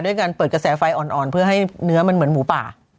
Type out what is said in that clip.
เพื่อให้มันเปิดกระแสไฟอ่อนเพื่อให้เนื้อเหมือนหมูป่า